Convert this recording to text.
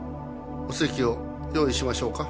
お席を用意しましょうか？